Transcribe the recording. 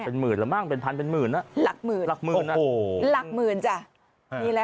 เป็นหมื่นละบ้างเป็นพันเป็นหมื่นละ